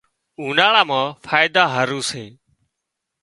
اُوناۯا مان فائيدا هارو سي